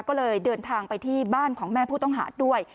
ก็เลยเดินทางไปที่บ้านของแม่ผู้ต้องหาด้วย